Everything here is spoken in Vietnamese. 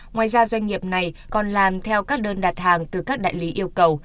ngoài ra doanh nghiệp này còn làm theo các đơn đặt hàng từ các đại lý yêu cầu